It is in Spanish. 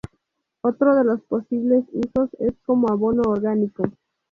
Otro de los posibles usos es como abono orgánico.